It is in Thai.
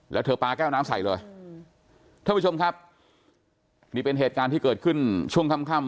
แล้วเธอปลาแก้วน้ำใส่เลยท่านผู้ชมครับนี่เป็นเหตุการณ์ที่เกิดขึ้นช่วงค่ำค่ำ